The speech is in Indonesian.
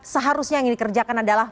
seharusnya yang dikerjakan adalah